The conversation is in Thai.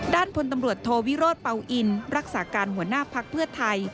ด้านพลตำรวจโทวิโรธเป่าอินรักษาการหัวหน้าภักดิ์เพื่อไทย